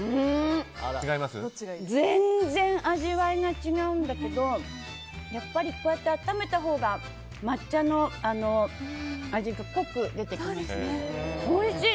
全然、味わいが違うんだけどやっぱりこうやって温めたほうが抹茶の味が濃く出てきますね。